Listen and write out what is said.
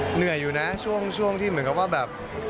เหนื่อยอยู่นะช่วงที่เหมือนกับว่าแบบ